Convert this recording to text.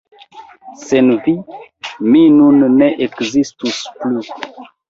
Sen vi mi nun ne ekzistus plu!